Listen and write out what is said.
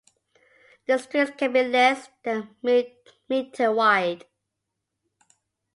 The streets can be less than a metre wide.